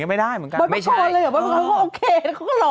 ไม่ได้เหมือนกัน